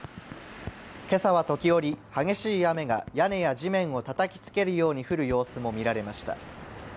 今朝は時折激しい雨が屋根や地面をたたきつけるように降る様子も見られました。